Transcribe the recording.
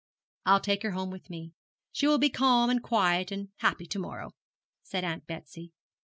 'I'll take her home with me. She will be calm, and quiet, and happy to morrow,' said Aunt Betsy.